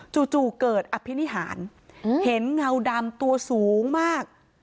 จู่เกิดอภินิหารเห็นเงาดำตัวสูงมาก